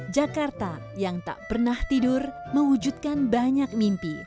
jakarta yang tak pernah tidur mewujudkan banyak mimpi